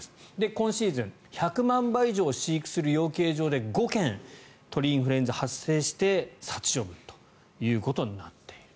今シーズン、１００万羽以上飼育する養鶏場で５件鳥インフルエンザが発生して殺処分ということになっている。